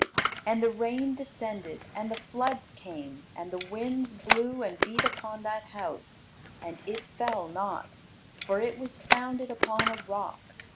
And the rain descended, and the floods came, and the winds blew, and beat upon that house; and it fell not, for it was founded upon a rock.